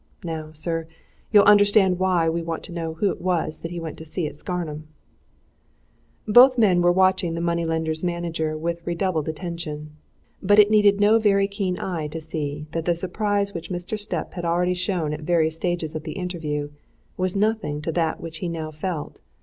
Now, sir, you'll understand why we want to know who it was that he went to see at Scarnham!" Both men were watching the money lender's manager with redoubled attention. But it needed no very keen eye to see that the surprise which Mr. Stipp had already shown at various stages of the interview was nothing to that which he now felt.